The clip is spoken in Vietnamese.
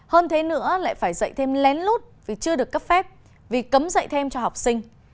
hơn thế nữa lại phải dạy thêm lén lút vì chưa được cấp phép vì cấm dạy thêm cho học sinh